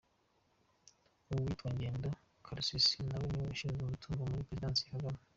Uwitwa Ngendo Karusisi nawe niwe ushinzwe umutungo muri Presidence ya Kagame.